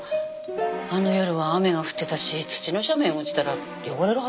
あの夜は雨が降ってたし土の斜面を落ちたら汚れるはずでしょ？